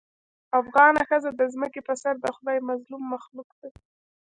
افغانه ښځه د ځمکې په سر دخدای مظلوم مخلوق دې